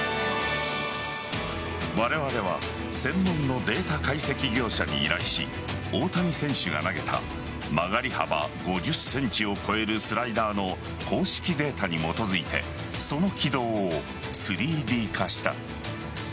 われわれは専門のデータ解析業者に依頼し大谷選手が投げた曲がり幅５０ｃｍを超えるスライダーの公式データに基づいてその軌道を３Ｄ化した。